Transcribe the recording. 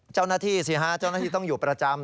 เจ้าหน้าที่สิฮะเจ้าหน้าที่ต้องอยู่ประจำ